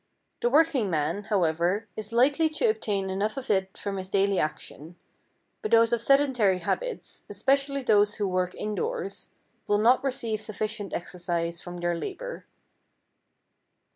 The working man, however, is likely to obtain enough of it from his daily action, but those of sedentary habits, especially those who work indoors, will not receive sufficient exercise from their labor.